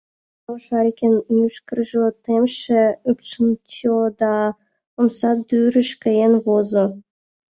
Но Шарикын мӱшкыржӧ темше, ӱпшынчӧ да омсадӱрыш каен возо.